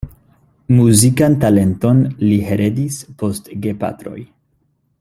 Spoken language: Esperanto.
Muzikan talenton li heredis post gepatroj.